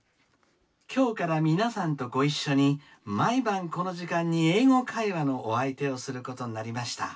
今日から皆さんとご一緒に毎晩この時間に『英語会話』のお相手をすることになりました。